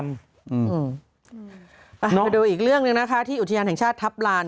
ไปดูอีกเรื่องหนึ่งนะคะที่อุทยานแห่งชาติทัพลาน